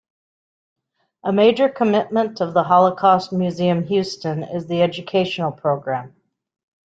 A major commitment of the Holocaust Museum Houston is the educational program.